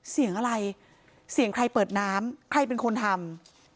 เสียงอะไรเสียงใครเปิดน้ำใครเป็นคนทำ